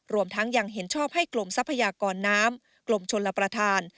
รวมทั้งยังเห็นชอบให้กลมทรัพยากรน้ำกลมชลประธาน